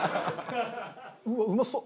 うわうまそう！